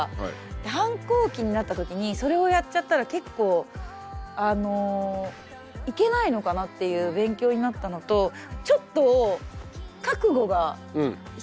反抗期になった時にそれをやっちゃったら結構いけないのかなっていう勉強になったのとちょっと覚悟が必要だなと。